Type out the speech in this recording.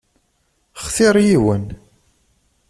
Xtiṛ yiwen.